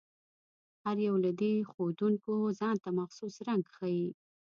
هر یو له دې ښودونکو ځانته مخصوص رنګ ښيي.